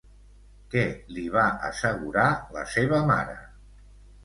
Què li va assegurar la seva mare?